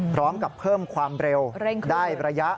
พร้อมกับเพิ่มความเร็วได้ระยะ